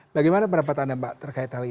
bagaimana pendapat anda mbak terkait hal ini